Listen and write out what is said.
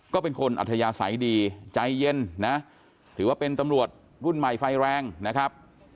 ก็เป็นคนอัธยาศัยดีใจเย็นนะถือว่าเป็นตำรวจรุ่นใหม่ไฟแรงนะครับ